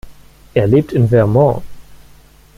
Er lebt in Vermont.